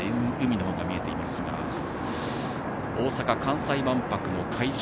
海が見えていますが大阪・関西万博の会場